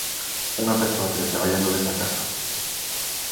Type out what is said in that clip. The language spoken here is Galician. Unha persoa teletraballando desde a casa.